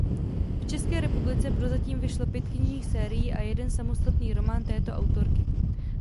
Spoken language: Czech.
V České republice prozatím vyšlo pět knižních sérií a jeden samostatný román této autorky.